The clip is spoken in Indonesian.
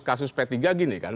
kasus p tiga gini kan